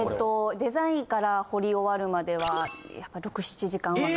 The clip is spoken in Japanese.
デザインから彫り終わるまではやっぱ６７時間は。